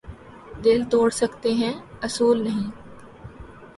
دل توڑ سکتے ہیں اصول نہیں